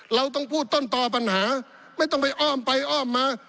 เราต้องพูดต้นต่อปัญหาไม่ต้องไปอ้อมไปอ้อมมา